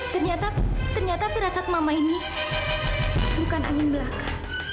ternyata ternyata firasat mama ini bukan angin belaka